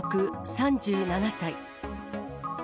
３７歳。